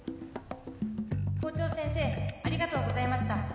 校長先生ありがとうございました。